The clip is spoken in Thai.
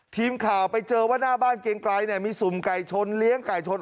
ทีมข่าวไปเจอว่าหน้าบ้านเกรงไกลมีสุ่มไก่ชนเลี้ยงไก่ชน